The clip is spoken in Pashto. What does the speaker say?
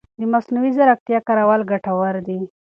د مصنوعي ځېرکتیا کارول ګټور دي.